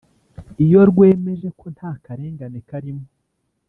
Iyo rwemeje ko nta karengane karimo